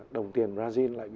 đồng tiền brazil lại